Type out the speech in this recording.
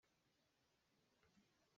Tlang pemhnak ah seh an hman.